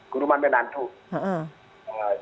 ke rumah minantus